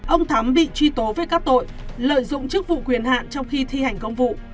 ông thắm bị truy tố về các tội lợi dụng chức vụ quyền hạn trong khi thi hành công vụ